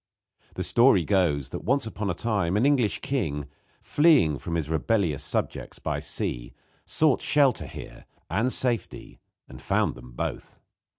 The story goes that once upon a time an English king, fleeing from his rebellious subjects by sea, sought shelter here and safety; and found them both.